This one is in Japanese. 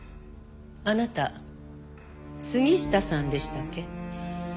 あなた杉下さんでしたっけ？